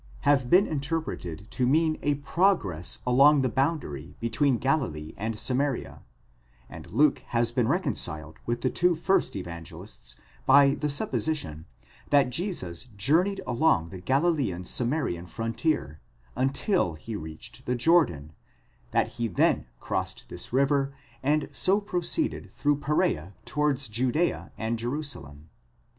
have been interpreted to mean a progress along the boundary between Galilee and Samaria,* and Luke has been reconciled with the two first Evangelists by the supposition, that Jesus journeyed along the Galilean Samarian frontier, until he reached the Jordan, that he then crossed this river, and so proceded through Persea towards Judea and Jerusalem.